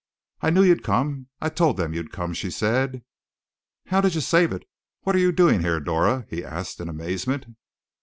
"I knew you'd come, I told them you'd come!" she said. "How did you save it what are you doing here, Dora?" he asked in amazement.